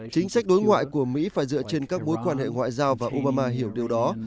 chính sách đối ngoại của mỹ phải dựa trên các mối quan hệ ngoại giao và ubama hiểu điều đó